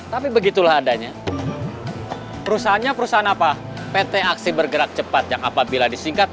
tapi begitulah adanya perusahaannya perusahaan apa pt aksi bergerak cepat yang apabila disingkat